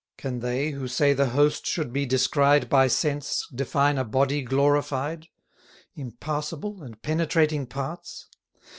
Can they who say the Host should be descried By sense, define a body glorified? Impassable, and penetrating parts?